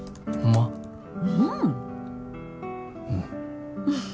うん。